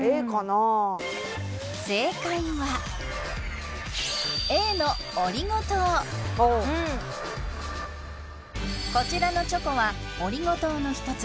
あ正解はおおこちらのチョコはオリゴ糖の一つ